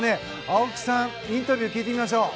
青木さん、インタビュー聞いてみましょう。